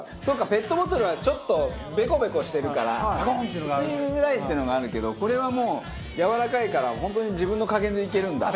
ペットボトルはちょっとベコベコしてるから吸いづらいっていうのがあるけどこれはもうやわらかいから本当に自分の加減でいけるんだ。